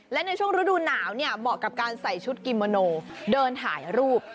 และในช่วงฤดูหนาวเนี่ยเหมาะกับการใส่ชุดกิโมโนเดินถ่ายรูป